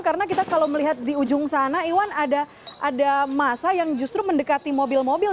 karena kita kalau melihat di ujung sana iwan ada masa yang justru mendekati mobil mobil